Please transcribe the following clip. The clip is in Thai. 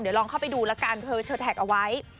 เดี๋ยวลองเข้าไปดูแล้วกันเธอแท็กเอาไว้